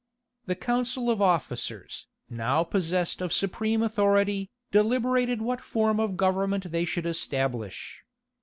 The council of officers, now possessed of supreme authority, deliberated what form of government they should establish.